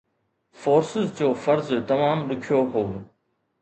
forces جو فرض تمام ڏکيو هو